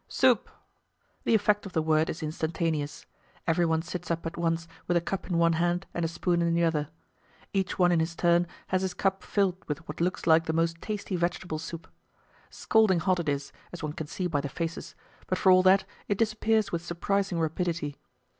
"Soup!" The effect of the word is instantaneous. Everyone sits up at once with a cup in one hand and a spoon in the other. Each one in his turn has his cup filled with what looks like the most tasty vegetable soup. Scalding hot it is, as one can see by the faces, but for all that it disappears with surprising rapidity.